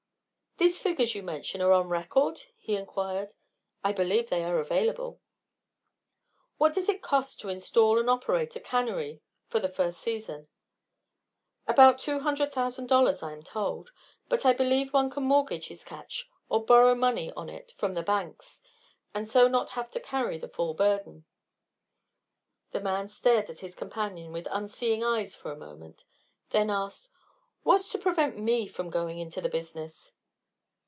"These figures you mention are on record?" he inquired. "I believe they are available." "What does it cost to install and operate a cannery for the first season?" "About two hundred thousand dollars, I am told. But I believe one can mortgage his catch or borrow money on it from the banks, and so not have to carry the full burden." The man stared at his companion with unseeing eyes for a moment, then asked: "What's to prevent me from going into the business?"